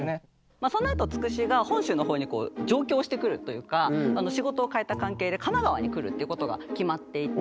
まあそのあとつくしが本州の方に上京してくるというか仕事をかえた関係で神奈川に来るっていうことが決まっていて。